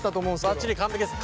ばっちり完璧です。